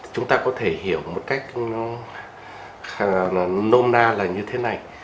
chúng ta có thể hiểu một cách nó nôm na là như thế này